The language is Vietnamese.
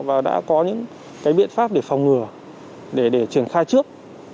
và đã có những biện pháp để phòng ngừa để triển khai trước